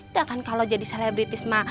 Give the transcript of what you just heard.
dakan kalau jadi selebritis ma